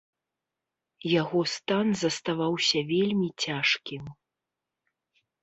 Яго стан заставаўся вельмі цяжкім.